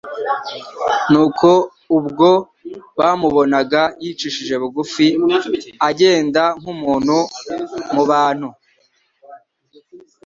Nuko ubwo bamubonaga yicishije bugufi, agenda nk'umuntu mu bantu,